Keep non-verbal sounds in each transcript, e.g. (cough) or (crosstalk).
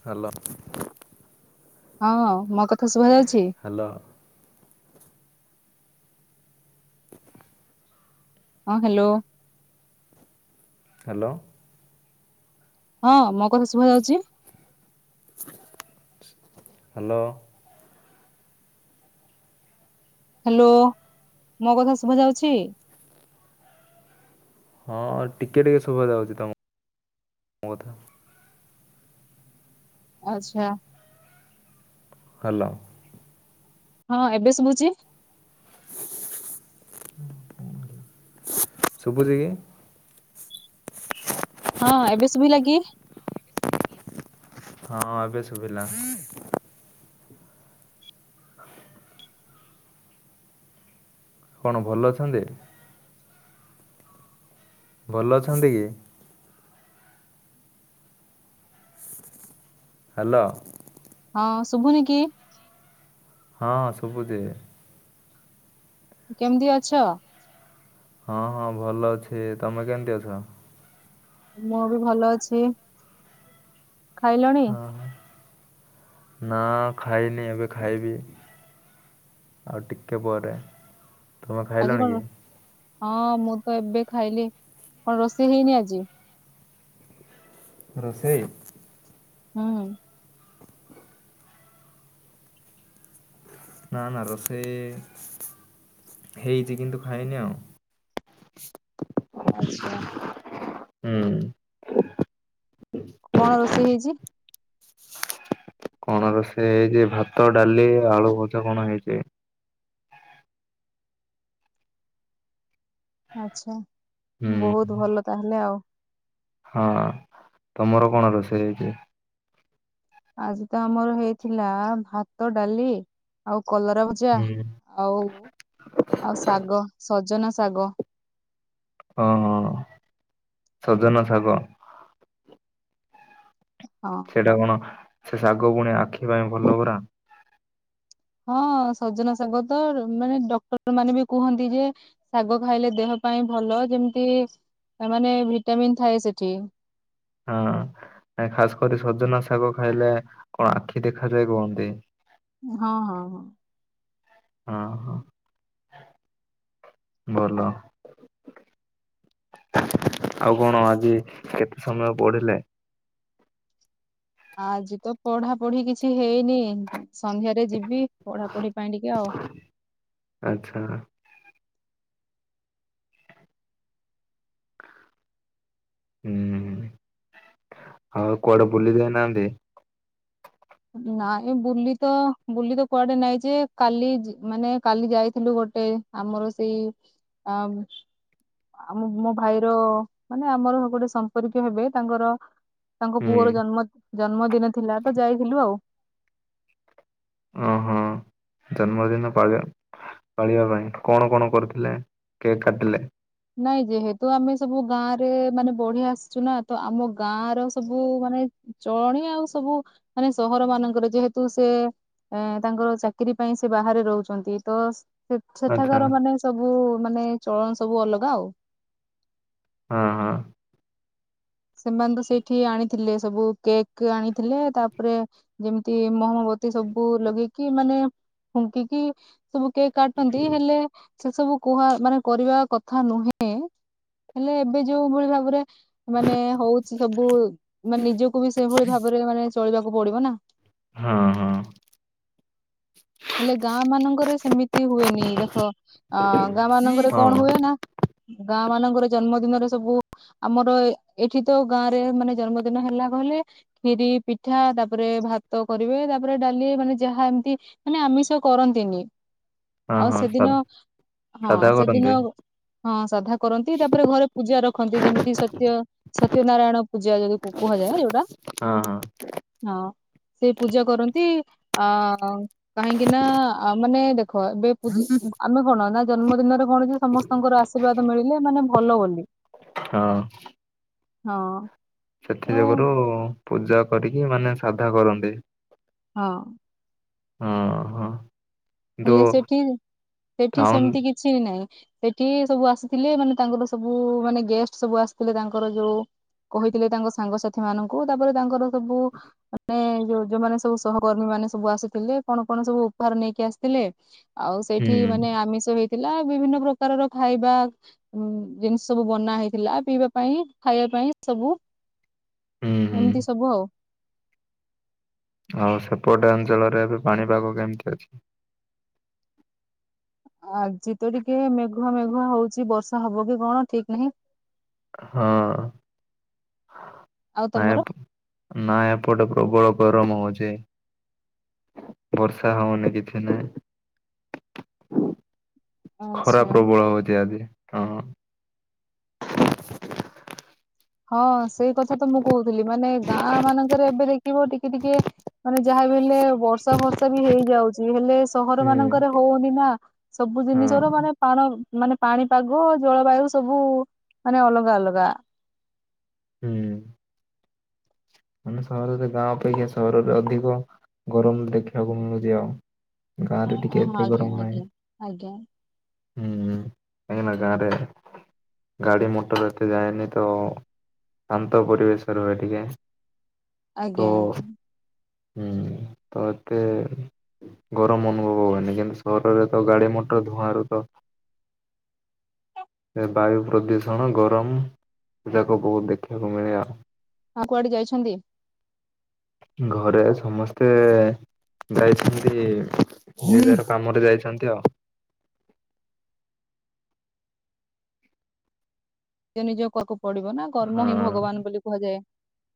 Hello. ହଁ ମୋ କଥା ଶୁଭାଯାଉଛି? ହ୍ୟାଲୋ ହଁ ହ୍ୟାଲୋ। ହ୍ୟାଲୋ ହଁ ମୋ କଥା ଶୁଭା ଯାଉଛି? ହ୍ୟାଲୋ ହ୍ୟାଲୋ ମୋ କଥା ଶୁଭା ଯାଉଛି? ହଁ ଟିକେ ଟିକେ ଶୁଭା ଯାଉଛି ତମ ତମ କଥା। ଆଚ୍ଛା। ହଲୋ ହଁ ଏବେ ଶୁଭୁଛି? ହୁଁ ଶୁଭୁଛି କି? ହଁ ଏବେ ଶୁଭିଲା କି? ହଁ ଏବେ ଶୁଭିଲା। କଣ ଭଲ ଅଛନ୍ତି? ଭଲ ଅଛନ୍ତି କି? ହ୍ୟାଲୋ। ହଁ ଶୁଭୁନି କି? ହଁ ସବୁଜି। କେମିତି ଅଛ? ହଁ ହଁ ଭଲ ଅଛି ତମେ କେମିତି ଅଛ? ମୁଁ ବି ଭଲ ଅଛି ଖାଇଲଣି? ହଁ ନା ଖାଇନି ଏବେ ଖାଇବି। ଆଉ ଟିକେ ପରେ ତୁମେ ଆଜି ଖାଇଲଣି କି? କଣ ହଁ ମୁଁ ତ ଏବେ ଖାଇଲି କଣ ରୋଷେଇ ହେଇନି ଆଜି? ରୋଷେଇ। ହୁଁ। ନଁ ନାଁ ରୋସେ ହେଇଛି କିନ୍ତୁ ଖାଇନି ଆଉ। ଆଚ୍ଛା। ହୁଁ। କଣ ରୋଷେଇ ହେଇଛି? କଣ ରୋ ସେ ହେଇଛି ଭାତ ଡାଲି ଆଳୁ ଭଜା କଣ ହେଇଛି। ଆଛା ହୁଁ। ବହୁତ ଭଲ ତାହେଲେ ଆଉ। ହଁ ତମର କଣ ରୋଷେଇ ହେଇଛି? ଆଜି ତ ଆମର ହେଇଥିଲା ଭାତ ଡାଲି କଲରା ଭଜା ହୁଁ ଆଉ ଆଉ ଶାଗ ସଜନା ଶାଗ। ଓ ସଜନା ଶାଗ। ହଁ ସେଟା କଣ ସେ ଶାଗ ପୁଣି ଆଖି ପାଇଁ ଭଲ ପରା? ହଁ ସଜନ ଶାଗ ତ ମାନେ ଡକ୍ଟର ମାନେ ବି କୁହନ୍ତି ଯେ ଶାଗ ଖାଇଲେ ଦେହ ପାଇଁ ଭଲ ଯେମିତି ମାନେ ଭିଟାମିିନ ଥାଏ ସେଠି। ହଁ। ଖାସ କରି ସଜନା ଶାଗ ଖାଇଲେ କଣ ଆଖି ଦେଖାଯାଏ କୁହନ୍ତି। ହଁ ହଁ ହଁ। ହଁ ହ ଭଲ। ଆଉ କଣ ଆଜି କେତେ ସମୟ ପଢିଲେ? ଆଜି ତ ପଢା ପଢି କିଛି ହେଇନି ସନ୍ଧ୍ୟାରେ ଯିବି ପଢାପଢି ପାଇଁ ଟିକେ ଆଉ। ଆଛା। ହୁଁ। ହଉ କୁଆଡେବୁଲି ଜାଇନାହାନ୍ତି। ନାଇଁ ବୁଲି ତ ବୁଲି ତ କୁଆଡେ ନାଇଁ ଯେ କାଲି ଜା ମାନେ କାଲି ଯାଇଥିଲୁ ଗୋଟେ ଗୋଟେ ଆମର ସେଇ ଅ ଆମ ମୋ ଭାଇର ମାନେ ଆମର ଗୋଟେ ସମ୍ପର୍କୀୟ ହେବେ ତାଙ୍କର ତାଙ୍କ ହୁଁ ପୁଅର ଜନ୍ମ ଜନ୍ମଦିନ ଥିଲା ତ ଯାଇଥିଲୁ ଆଉ। ଓ ହୋ। ଜନ୍ମଦିନ ପାଳ ପାଳିବା ପାଇଁ କଣ କଣ କରିୁଥିଲେ କେକ୍ କାଟିଲେ? ନାଇଁ ଯେହେତୁ ଆମେ ସବୁ ଗାଁ ରେ ମାନେ ବଢିଆ ଆସିଛୁ ନା ତ ଆମ ଗାଁ ର ସବୁ ମାନ ମାନେ ଚଳଣି ଆଉ ସବୁ ମାନେ ସହର ମାନଙ୍କରେ ଯେହେତୁ ସେ ଏ ତାଙ୍କର ଚାକିରିୀ ପାଇଁ ସେ ବାହାରେ ରହୁଛନ୍ତି ତ ସେ ଆଚ୍ଛା ସେଠାକାର ମାନେ ସବୁ ମାନେ ଚଳନି ସବୁ ଅଲଗା ଆଉ। ହଁ ହଁ। ସେମାନେ ତ ସେଇଠି ଆଣି ଥିଲେ ସବୁ କେକ୍ ଆଣିଥିଲେ ତାପରେ ଯେମିତି ମହମବତୀ ସବୁ ଲଗେଇକି ମାନେ ଫୁଙ୍କିକି ସବୁ କେକ୍ କାଟନ୍ତି ହେଲେ ସେ ସବୁ କୁହା ମାନେ କରିବା କଥା ନୁହେଁ ହେଲେ ଏବେ ଯୋଉ ଭଳି ଭାବରେ ମାନେ ହଉଛି ସବୁ ମାନେ ନିଜକୁ ବି ସେଇଭଳି ଭାବରେ ମାନେ ଚଳିବାକୁ ପଡିବନା। ହଁ ହଁ ହଁ ହେଲେ ଗାଁ ମାନଙ୍କରେ। ସେମିତି ହୁଏନି ଦେଖ ଗାଁ ମାନଙ୍କରେ କଣ ହଁ ହୁଏନା ଗାଁ ମାନଙ୍କର ଜନ୍ମଦିନରେ ସବୁ ଆମର ଏଠି ତ ଗାଁ ରେ ମାନେ ଜନ୍ମଦିନ ହେଲା କହିଲେ ଖିରି ପିଠା ତାପରେ ଭାତ କରିବେ। ତାପରେ ଡାଲି ମାନେ ଯାହା ଏମିତି ମାନେ ଆମିଷ କରନ୍ତିନି। ହଁ ଆଉ ହଁ ସା ସେଦିନ ହଁ ସାଧା କରନ୍ତି ସେଦିନ ହଁ ସାଧା କରନ୍ତି ତାପରେ ଘରେ ପୂଜା ରଖନ୍ତି ଯେମିତି ସତ୍ୟ ସତ୍ୟ ନାରାୟଣ ପୂଜା ଯଦି କୁହାଯାଏ ଯୋଉଟା ହଁ ହଁ ହଁ। ସେ ପୂଜା କରନ୍ତି ଆ କାହିଁକିନା ଆ ମାନେ ଦେଖ ଏବେ ପୂଜ ଆମେ କଣ ନା ଜନ୍ମଦିନରେ କଣ ସମସ୍ତଙ୍କର ଆଶୀର୍ବାଦ ମିଳିଲେ ମାନେ ଭଲ ବୋଲି। ହଁ। ହଁ। ତ ସେଥି ଯୋଗୁଁ ପୂଜା କରିକି ମାନେ ସାଧା କରନ୍ତି। ହଁ। ହଁ ହଁ। କିନ୍ତୁ ହେଲେ ସେଠି ସେଠି ଟାଉନ ସେମିତି କିଛି ନାହିଁ। ସେଠି ସବୁ ଆସିଥିଲେ ମାନେ ତାଙ୍କର ସବୁ ମାନେ ଗେଷ୍ଟ ସବୁ ଆସିଥିଲେ ତାଙ୍କର ଯୋଉ କହିଥିଲେ ତାଙ୍କ ସାଙ୍ଗସାଥି ମାନଙ୍କୁ ତାପରେ ତାଙ୍କର ସବୁ ମାନେ ଯୋଉ ଯୋଉମାନେ ସବୁ ସହକର୍ମୀ ମା ମାନେ ସବୁ ଆସୁଥିଲେ କଣ କଣ ସବୁ ଉପହାର ନେଇକି ଆସିଥିଲେ ଆଉ ହୁଁ ସେଇଠି ମାନେ ଆମିଷ ହେ ଥିଲା ବିଭିନ୍ନ ପ୍ରକାରର ଖାଇବା ଉଁ ଜିନିଷ ସବୁ ବନା ହେଇଥିଲା ପିଇବା ପାଇଁ ଖାଇବା ପାଇଁ ସବୁ (inaudible) ହୁଁ ହୁଁ ଏମିତି ସବୁ ଆଉ। ଆଉ ସେପଟେ ଅଞ୍ଚଳରେ ଏବେ ପାଣିପାଗ କେମିତି ଅଛି। ଆଜି ତ ଟିକେ ମେଘୁଆ ମେଘୁଆ ହଉଛି ବର୍ଷା ହବ କି କଣ ଠିକ ନାହିଁ। ହଁ। ଆଉ ନା ତମର ଏପଟେ ନା ଏପଟେ ପ୍ରବଳ ଗରମ ହଉଛି। ବର୍ଷା ହଉନି କିଛି ନାହିଁ। (inaudible) ଖରା ଆଚ୍ଛା। ପ୍ରବଳ ହଉଛି ଆଜି ହଁ। ହଁ ସେଇ କଥା ତ ମୁଁ କହୁଥିଲି ମାନେ ଗାଁ ମାନଙ୍କରେ ଏବେ ଦେଖିବ ଟିକେ ଟିକେ ମାନେ ଯାହା ଲେ ବର୍ଷା ଫର୍ଷା ବି ହେଇଯାଉଛି ହେଲେ ସହର ହୁଁ ମାନଙ୍କରେ ହଉନି ନା ସବୁ ହଁ ଜିନିଷ ର ମାନେ ପାଣ ମାନେ ପାଣିପାଗ ଜଳବାୟୁ ସବୁ ମାନେ ଅଲଗା ଅଲଗା। ହୁଁ। ମାନେ ସହରରେ ଗାଁ ଅପେକ୍ଷା ସହରରେ ଅଧିକ ଗରମ ଦେଖିବାକୁ ମିଳୁଛି ଆଉ! ଗାଁରେ ଟିକେ ହଁ ଏତେ ଆଜ୍ଞା ଗରମ ନାହିଁ ଆଜ୍ଞା ଆଜ୍ଞା ହୁଁ କାହିଁକିନା ଗାଁରେ ଗାଡି ମଟର ଏତେ ଯାଏନି ତ ଶାନ୍ତ ପରିବେଶ ରୁହେ ଟିକେ। ତ ଆଜ୍ଞା ଆଜ୍ଞା। ହୁଁ ତ ଏତେ ଗରମ ଅନୁଭବ ହୁଏନି କିନ୍ତୁ ସହରରେ ତ ଗାଡି ମଟର ଧୂଆଁ ରୁ ତ (unintelligible) ବାୟୁ ପ୍ରଦୂଷଣ ଗରମ ଯାକ ବହୁତ ଦେଖିବାକୁ ମିଳେ। ହଉ କୁଆଡେ ଯାଇଛନ୍ତି? ଘରେ ସମସ୍ତେ ଯାଇଛନ୍ତି। ନିଜର କାମରେ ଯାଇଛନ୍ତି ଆଉ। ନିଜ ନିଜକ-କୁ ପଡିବ ନା କର୍ମ ହଁ ହିଁ ଭଗବାନ ବୋଲି କୁହାଯାଏ।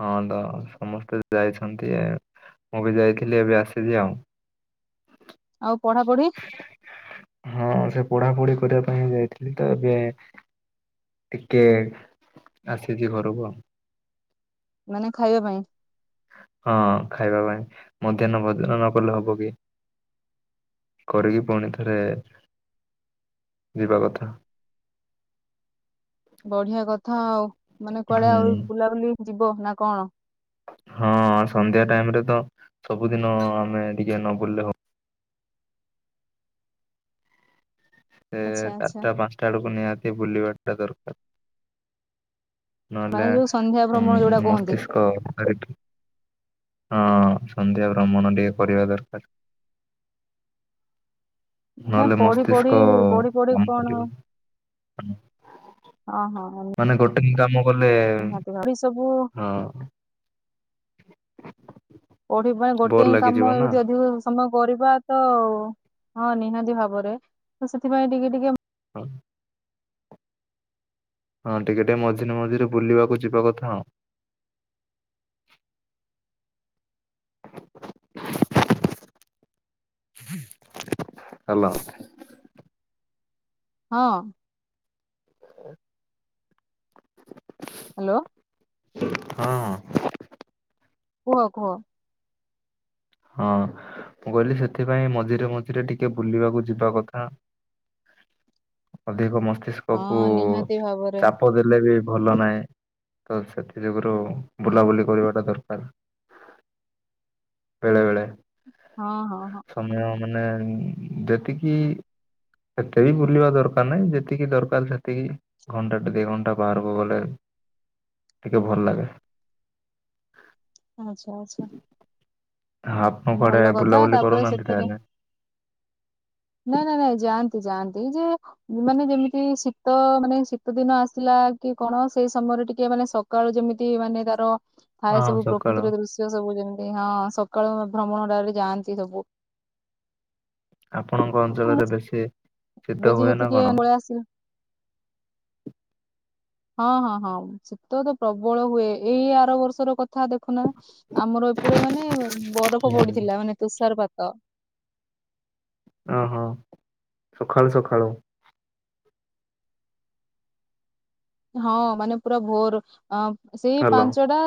ହଁ ତ ସମସ୍ତେ ଯାଇଛନ୍ତି। ମୁଁ ବି ଯାଇଥିଲି ଏବେ ଆସିଲି ଆଉ। ଆଉ ପଢାପଢି? ହଁ ସେ ପଢାପଢି କରିବା ପାଇଁ ଯାଇଥିଲି ତ ଏବେ ଟିକେ ଆସିଚି ଘରକୁ ଆଉ। ମାନେ ଖାଇବା ପାଇଁ? ହଁ ଖାଇବା ପାଇଁ ମଧ୍ୟାହ୍ନ ଭୋଜନ ନକଲେ ହବ କି। କରିକି ପୁଣି ଥରେ ଯିବା କଥା। ବଢିଆ କଥା ଆଉ ମାନେ କୁଆଡେ ହୁଁ ଆଉ ବୁଲାବୁଲି ଯିବ ନା କଣ? ହଁ ସନ୍ଧ୍ୟା ଟାଇମରେ ତ ସବୁଦିନ ଆମେ ଟିକେ ନ ବୁଲିଲେ ହ ସେ ଆଚ୍ଛା ଆଚ୍ଛା ଚାରିଟା ପାଞ୍ଚଟା ଆଡକୁ ନିହାତି ବୁଲିବାଟା ଦରକାର। ମାନେ ନହେଲେ ଯୋଉ ସନ୍ଧ୍ୟା ଭ୍ରମଣ ଯୋଉଟା କୁହନ୍ତି। ଉମ୍-ମସ୍ତିଷ୍କ ହରିକା ହଁ ସନ୍ଧ୍ୟା ଭ୍ରମଣ ଟିକେ କରିବା ଦରକାର। ମାନେ ନହେଲେ ମସ୍ତିଷ୍କ ପଢିପଢି ପଢିପଢି କାମ କଣ କରିବନି ହଁ ହଁ। ମାନେ ଗୋଟେକି କାମ କଲେ ନିହାତି ଭାବେ ଏ ସବୁ ହଁ। କୋଉଠି ପାଇଁ ଗୋଟେ ବୋର ହିଁ କାମ ଲାଗିଯିବ ନା। ଯଦି ଅଧିକ ସମୟ କରିବା ତ ହଁ ନିହାତି ଭାବରେ ତ ସେଥିପାଇଁ ଟିକେ ଟିକେ ହଁ। ହଁ ଟିକେ ଟିକେ ମଝିରେ ମଝିରେ ବୁଲିବାକୁ ଯିବା କଥା। ହାଲୋ। ହଁ। ହ୍ୟାଲୋ ହଁ। କୁହ କୁହ। ହଁ। ମୁଁ କହିଲି ସେଥିପାଇଁ ମଝିରେ ମଝିରେ ଟିକେ ବୁଲିବାକୁ ଯିବା କଥା। ଅଧିକ ହଁ ମସ୍ତିଷ୍କକୁ ନିହାତି ଭାବରେ ଚାପ ଦେଲେ ବି ଭଲ ନାହିଁ ତ ସେଥିଯୋଗରୁ ବୁଲାବୁଲି କରିବାଟା ଦରକାର। ବେଳେବେଳେ। ହଁ ହଁ ହଁ। ମାନେ ଯେତିକି ଏତେ ବି ବୁଲିବା ଦରକାର ନାହିଁ ଯେତିକି ଦରକାର ସେତିକି ଘଣ୍ଟାଟେ ଦିଘଣ୍ଟା ବାହାରକୁ ଗଲେ ଟିକେ ଭଲଲାଗେ। ଆଚ୍ଛା ଆଚ୍ଛା। ଆପଣଙ୍କ କୁଆଡେ ଭଲ କଥା ବୁଲାବୁଲି ତାପରେ କରୁନାହାନ୍ତି ସେଥିରେ ତାହେଲେ। ନାଇଁ ନାଇଁ ନାଇଁ ଯାଆନ୍ତି ଯାଆନ୍ତି ଯେ ମାନେ ଯେମିତି ଶୀତ ମାନେ ଶୀତ ଦିନ ଆସିଲା ଆ କି କଣ ସେଇ ସମୟରେ ଟିକେ ମାନେ ସକାଳୁ ଯେମିତି ମାନେ ତାର ଥାଏ ହଁ ସବୁ ସକାଳ ପ୍ରକୃତିର ଦୃଶ୍ୟ ସବୁ ଯେମ ଏଇ ହଁ ସକାଳ ଭ୍ରମଣଟା ବୋଲି ଯାଆନ୍ତି ସବୁ। ଆପଣଙ୍କ ଆଉ ମୁଁ ଅଞ୍ଚଳରେ ବେଶୀ ଏବେ ଶୀତ ହୁଏ ଯେହେତୁ ନା ଟିକେ କଣ? ପଳେଇ ଆସିଲି। ହଁ ହଁ ହଁ ଶୀତ ତ ପ୍ରବଳ ହୁଏ ଏଇ ଆର ବର୍ଷର କଥା ଦେଖୁନ ଆମର ଏପଟେ ମାନେ ବରଫ ହୁଁ। ପଡିଥିଲା ମାନେ ତୁଷାରପାତ। ଓହୋ ସଖାଳୁ ସଖାଳୁ। ହଁ ମାନେ ପୁରା ଭୋର ଅଁ ସେଇ ଭଲ ପାଞ୍ଚଟା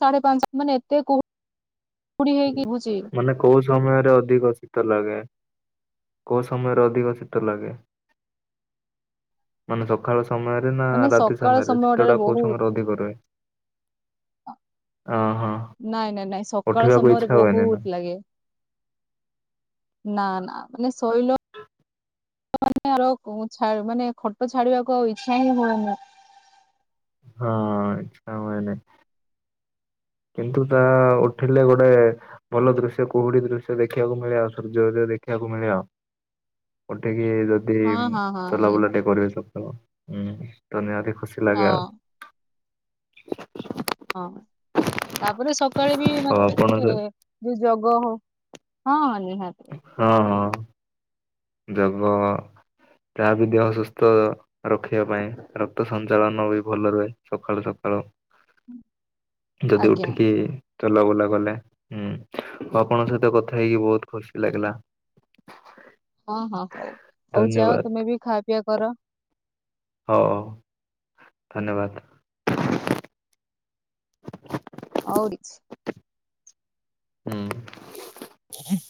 ସାଢେ ପାଞ୍ଚ ମାନେ ଏତେ କୁହୁଡି ହେଇକି ରହୁଚି ମାନେ କୋଉ ସମୟରେ ଅଧିକ ଶୀତ ଲାଗେ। କୋଉ ସମୟରେ ଅଧିକ ଶୀତ ଲାଗେ ମାନେ ସକାଳ ଚ ସମୟରେ ନା ମାନେ ରାତି ସକାଳ ସମୟରେ ଶୀତ ସମୟଟାରେ ଟା କୋଉ ବହୁତ ସମୟରେ ଅଧିକ ରୁହେ? ଅହ ନାଇଁ ନାଇଁ ନାଇଁ ସକାଳ ଉଠିବାକୁ ସମୟରେ ଇଚ୍ଛା ହୁଏନି ନା? ବହୁତ ଲାଗେ। ନା ନା ମାନେ ଶୋଇ ଆ ଛା ମାନେ ଖଟ ଛାଡିବାକୁ ଆଉ ଇଛା ହିଁ ହେଉନି। ହଁ ଇଚ୍ଛା ହବନି। କିନ୍ତୁ ତାହା ଉଠିଲେ ଗୋଟେ ଭଲ ଦୃଶ୍ୟ କୁହୁଡି ଦୃଶ୍ୟ ଦେଖିବାକୁ ମିଳେ ଆଉ ସୂର୍ଯ୍ୟଦୟ ଦେଖ ଦେଖିବାକୁ ମିଳିବ। ଉଠି କି ଯଦି ହଁ ହଁ ହଁ ଚଲାବୁଲା ନିହାତି। ଟିକେ କରିବେ ସକାଳଁ ତ ନିହାତି ଖୁସି ହଁ ଲାଗେ ଆଉ। ଛ ହଁ ତାପରେ ସକାଳେ ବି ଆଉ ମାନେ ଆପଣ ଟିକେ ଯୋଉ ଜଗ ହ ହଁ ନି ହଁ ହଁ। ଦବ। ଯାହାବି ଦେହ ସୁସ୍ଥ ରଖିବା ପାଇଁ ରକ୍ତ ସଞ୍ଚାଳନ ବି ଭଲ ରୁହେ ସକାଳୁ ସକା ହଣ ହୁଁ। ଯଦି ଉଠିକି ଚଲା ବୁଲା କଲେ ହୁଁ ଆଉ ଆପଣଙ୍କ ସହିତ କଥା ହେଇକି ବହୁତ ଖୁସି ଲାଗିଲା। ହ ହଁ ହଁ ହଉ ହଉ ଯାଅ ତମେ ବି ଖା ପିଆ କର। ହଉ ହଉ ଧନ୍ୟବାଦ। ଆଉଡିଛି। ହୁଁ।